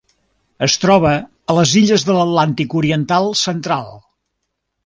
Es troba a les illes de l'Atlàntic oriental central.